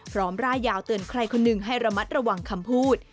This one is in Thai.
ร่ายยาวเตือนใครคนหนึ่งให้ระมัดระวังคำพูด